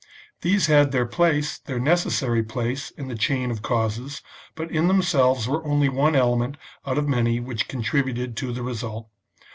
These had their place, their necessary place, in the chain of causes, but in themselves were only one element out of many which contributed to the result.